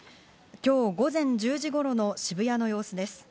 今日午前１０時頃の渋谷の様子です。